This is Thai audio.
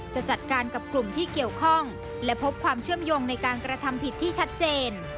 จะจัดการกับกลุ่มที่เกี่ยวข้องและพบความเชื่อมโยงในการกระทำผิดที่ชัดเจน